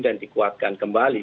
dan dikuatkan kembali